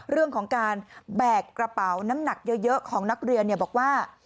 เรื่องของการแบกกระเป๋าน้ำหนักเยอะของนักเรียนบอกว่า